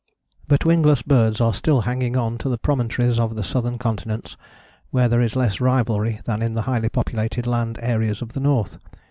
But wingless birds are still hanging on to the promontories of the southern continents, where there is less rivalry than in the highly populated land areas of the north.